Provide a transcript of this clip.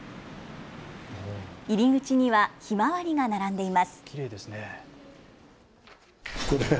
入り口にはひまわりが並んでいます。